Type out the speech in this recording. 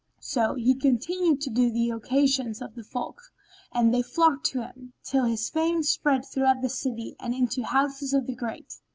So he continued to do the occasions of the folk and they to flock to him, till his fame spread throughout the city and into the houses of the great.